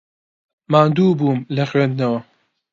ماندوو بووم لە خوێندنەوە.